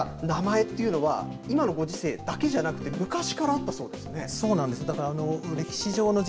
そういった名前というのは今のご時世だけじゃなくてそうなんですね。